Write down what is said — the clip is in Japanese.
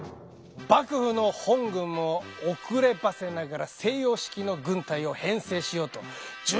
幕府の本軍も遅ればせながら西洋式の軍隊を編制しようと準備を始めておるぞ。